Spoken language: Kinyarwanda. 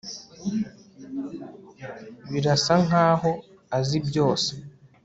Birasa nkaho azi byose